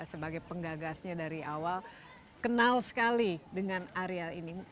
sebagai penggagasnya dari awal kenal sekali dengan area ini